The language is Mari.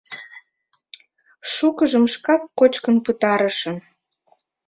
Шукыжым шкак кочкын пытарышым.